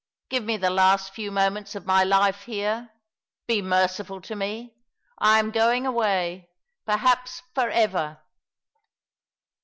Give me the last few moments of my life here. Be merciful to me. I am going away — perhaps for ever."